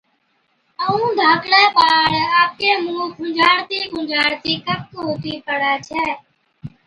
ائُون ڌاڪڙَي ٻاڙ آپڪَي مُونه کُنجھاڙتِي کُنجھاڙتِي ڪَڪ هُتِي پڙَي ڇَي۔